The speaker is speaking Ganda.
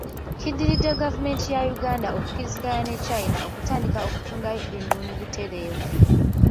Kiddiridde gavumenti ya Uganda okukkiriziganya ne China okutandika okutundayo ennuuni butereevu.